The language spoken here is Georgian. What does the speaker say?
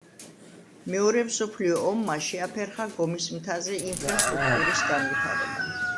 მეორე მსოფლიო ომმა შეაფერხა გომისმთაზე ინფრასტრუქტურის განვითარება.